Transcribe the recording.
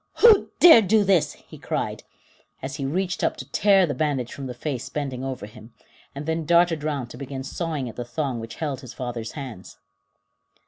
] "Who dared do this?" he cried, as he reached up to tear the bandage from the face bending over him, and then darted round to begin sawing at the thong which held his father's hands.